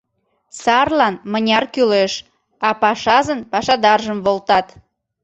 Сарлан — мыняр кӱлеш, а пашазын пашадаржым волтат.